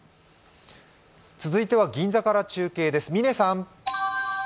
続いては銀座から中継です。